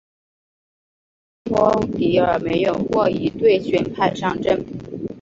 翌季史托迪尔没有获一队选派上阵。